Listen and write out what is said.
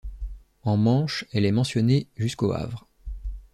En Manche elle est mentionnée jusqu’au Havre.